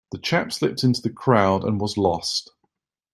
The chap slipped into the crowd and was lost.